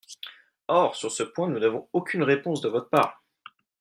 Or sur ce point nous n’avons aucune réponse de votre part.